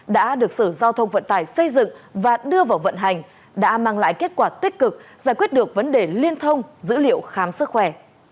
đã được sở giao thông vận tải xây dựng và đưa vào vận hành đã mang lại kết quả tích cực giải quyết được vấn đề liên thông dữ liệu khám sức khỏe